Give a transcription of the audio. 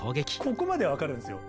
ここまでは分かるんですよ。